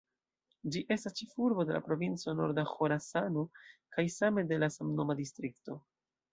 Ĝi estas ĉefurbo de la Provinco Norda Ĥorasano kaj same de la samnoma distrikto.